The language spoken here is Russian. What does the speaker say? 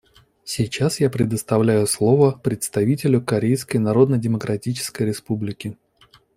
Сейчас я предоставляю слово представителю Корейской Народно-Демократической Республики.